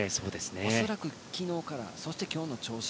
恐らく昨日からそして今日の調子